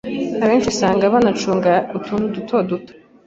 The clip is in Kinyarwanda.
abenshi usanga banacuruza utuntu duke duke